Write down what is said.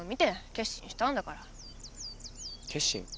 決心？